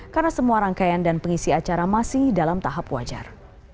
karena semua rangkaian dan pengisi acara masih dalam tahap wajar